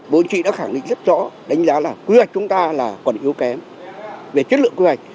bộ chính trị đã khẳng định rất rõ đánh giá là quy hoạch chúng ta là còn yếu kém về chất lượng quy hoạch